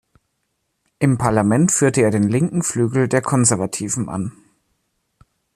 Im Parlament führte er den linken Flügel der Konservativen an.